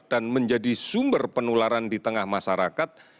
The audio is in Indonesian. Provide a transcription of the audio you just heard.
dan menjadi sumber penularan di tengah masyarakat